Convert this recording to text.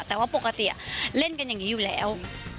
แต่ว่าปกติเล่นกันอย่างนี้อยู่แล้ว